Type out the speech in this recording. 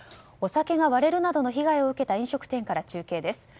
お酒が割れるなどの被害を受けた飲食店から中継です。